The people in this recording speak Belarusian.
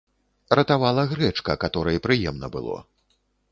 Ратавала грэчка, каторай прыемна было.